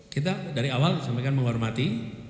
kita dari awal sampaikan menghormati